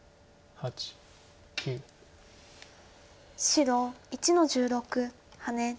白１の十六ハネ。